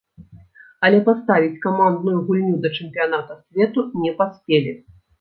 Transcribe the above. Але паставіць камандную гульню да чэмпіяната свету не паспелі.